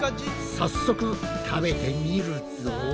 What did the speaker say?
早速食べてみるぞ。